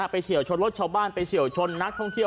เฉียวชนรถชาวบ้านไปเฉียวชนนักท่องเที่ยว